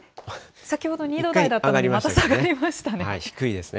先ほど２度台だったのにまた下がりましたね。